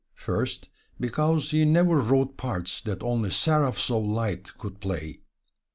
First, because he never wrote parts that only seraphs of light could play.